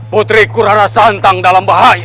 putriku rarasanta dalam bahaya